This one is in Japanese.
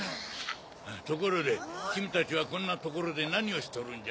ところで君たちはこんな所で何をしとるんじゃ？